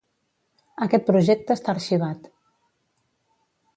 Aquest projecte està arxivat.